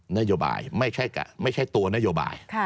นโยบายไม่ใช่ตัวนโยบาย